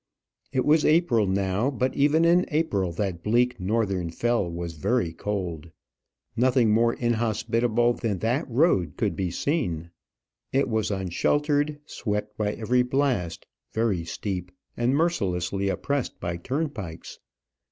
It was April now; but even in April that bleak northern fell was very cold. Nothing more inhospitable than that road could be seen. It was unsheltered, swept by every blast, very steep, and mercilessly oppressed by turnpikes.